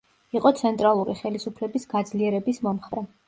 იყო ცენტრალური ხელისუფლების გაძლიერების მომხრე.